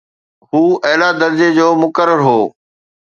هو اعليٰ درجي جو مقرر هو.